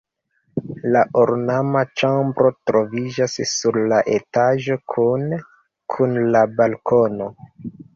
La ornama ĉambro troviĝas sur la etaĝo kune kun la balkono.